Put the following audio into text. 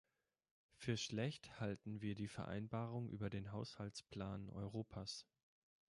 Für schlecht halten wir die Vereinbarung über den Haushaltsplan Europas.